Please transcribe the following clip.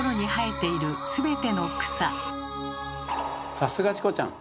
さすがチコちゃん！